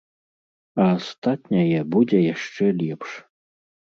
А астатняе будзе яшчэ лепш!